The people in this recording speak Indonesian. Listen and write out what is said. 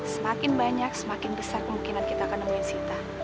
semakin banyak semakin besar kemungkinan kita akan memilih sita